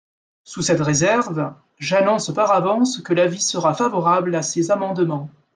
Sous cette réserve, j’annonce par avance que l’avis sera favorable à ces amendements.